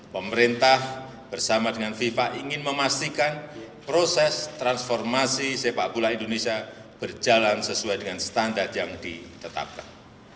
pemerintah bersama dengan fifa ingin memastikan proses transformasi sepak bola indonesia berjalan sesuai dengan standar yang ditetapkan